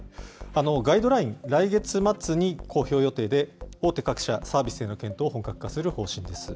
ガイドライン、来月末に公表予定で、大手各社、サービスへの検討を本格化する方針です。